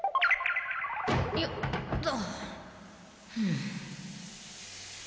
よっと。